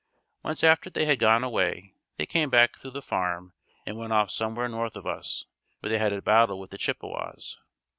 Once after they had gone away, they came back through the farm and went off somewhere north of us, where they had a battle with the Chippewas.